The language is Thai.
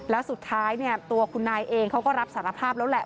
แล้วสุดท้ายเนี่ยตัวคุณนายเองเขาก็รับสารภาพแล้วแหละ